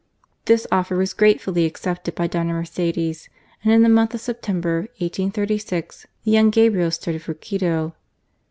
This offer was gratefully accepted by Dona Mercedes^ and in the month of September, 1836, the young Gabriel started for Quito.